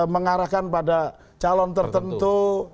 mengarahkan pada calon tertentu